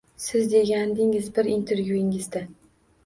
Siz degandingiz bir intervyungizda…